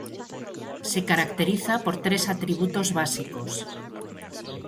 Se caracteriza por tres atributos básicos.